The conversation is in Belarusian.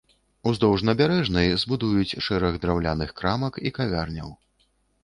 Уздоўж набярэжнай збудуюць шэраг драўляных крамак і кавярняў.